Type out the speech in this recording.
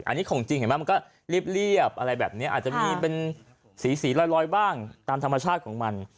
อันนี้ของจริงเห็นไหมมันก็เรียบอะไรแบบนี้อาจจะมีเป็นสีลอยบ้างตามธรรมชาติของมัน